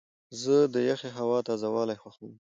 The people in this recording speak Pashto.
زه د یخې هوا تازه والی خوښوم.